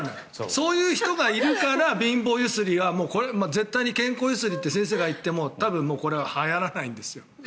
そういう人がいるから貧乏揺すりは絶対に健康揺すりって先生が言っても多分これはもうはやらないんですよ。